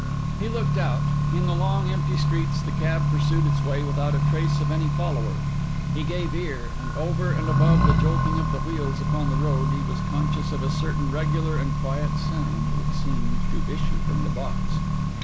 He looked out; in the long, empty streets, the cab pursued its way without a trace of any follower. He gave ear; and over and above the jolting of the wheels upon the road, he was conscious of a certain regular and quiet sound that seemed to issue from the box.